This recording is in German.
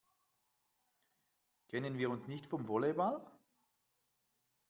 Kennen wir uns nicht vom Volleyball?